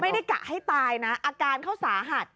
กะให้ตายนะอาการเขาสาหัส